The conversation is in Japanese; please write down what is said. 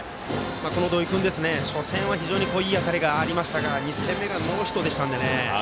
この土井君初戦は非常にいい当たりがありましたが２戦目がノーヒットでしたので。